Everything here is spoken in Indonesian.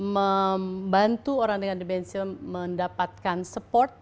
membantu orang dengan demensia mendapatkan support